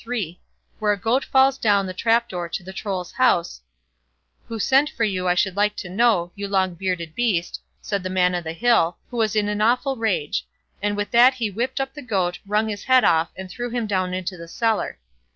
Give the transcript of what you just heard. iii, where a goat falls down the trapdoor to the Troll's house, "Who sent for you, I should like to know, you long bearded beast" said the Man o' the Hill, who was in an awful rage; and with that he whipped up the Goat, wrung his head off, and threw him down into the cellar.